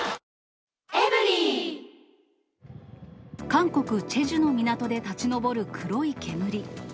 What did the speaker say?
韓国・チェジュの港で立ち上る黒い煙。